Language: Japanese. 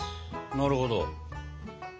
なるほど。